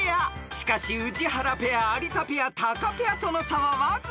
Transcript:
［しかし宇治原ペア有田ペアタカペアとの差はわずか］